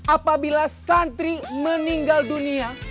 apabila santri meninggal dunia